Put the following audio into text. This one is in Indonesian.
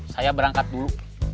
saya berangkat dulu